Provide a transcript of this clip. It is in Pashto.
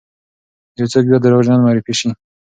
یو څوک بیا دروغجن معرفي سی،